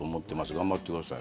頑張ってください。